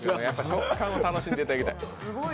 食感を楽しんでいただきたい。